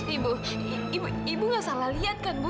ibu ibu nggak salah lihat kan bu